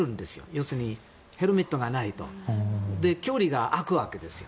要するに、ヘルメットがないと距離が空くわけですよ。